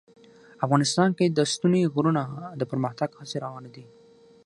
افغانستان کې د ستوني غرونه د پرمختګ هڅې روانې دي.